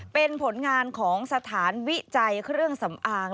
เป็นผลงานของสถานวิจัยเครื่องสำอาง